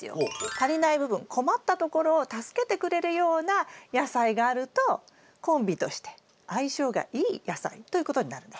足りない部分困ったところを助けてくれるような野菜があるとコンビとして相性がいい野菜ということになるんです。